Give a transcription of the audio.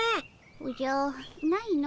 おじゃないの。